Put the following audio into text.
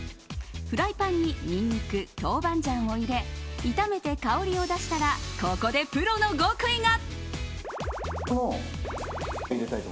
フライパンにニンニク、豆板醤を入れ炒めて香りを出したらここでプロの極意が。